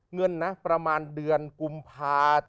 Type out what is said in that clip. เงินนะประมาณเดือนกุมภา